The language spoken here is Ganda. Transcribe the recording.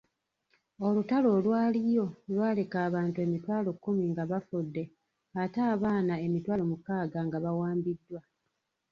Olutalo olwaliyo lwaleka abantu emitwalo kumi nga bafudde ate abaana emitwalo mukaaga nga bawambiddwa.